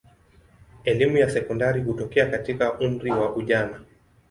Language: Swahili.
Elimu ya sekondari hutokea katika umri wa ujana.